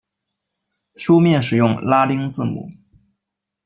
书面使用拉丁字母。